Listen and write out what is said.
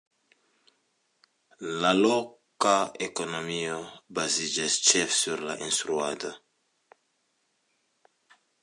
La loka ekonomio baziĝas ĉefe sur instruado.